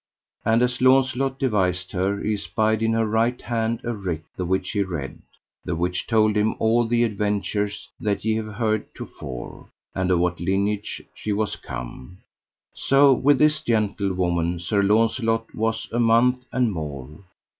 And as Launcelot devised her, he espied in her right hand a writ, the which he read, the which told him all the adventures that ye have heard to fore, and of what lineage she was come. So with this gentlewoman Sir Launcelot was a month and more.